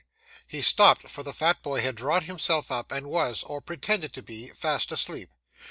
He stopped, for the fat boy had drawn himself up, and was, or pretended to be, fast asleep.